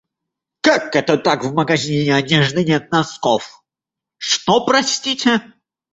Как это так, в магазине одежды нет носков? Что, простите?